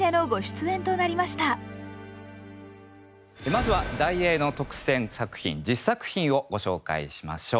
まずは題詠の特選作品十作品をご紹介しましょう。